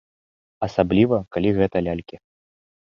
Асабліва, калі гэта лялькі.